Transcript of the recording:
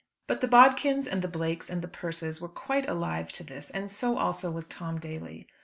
But the Bodkins, and the Blakes, and the Persses were quite alive to this, and so also was Tom Daly.